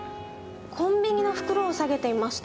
コンビニの袋を下げていました。